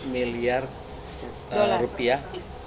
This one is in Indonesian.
tujuh belas miliar rupiah per hektare